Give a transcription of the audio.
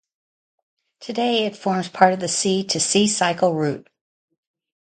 Today it forms part of the Sea to Sea Cycle Route.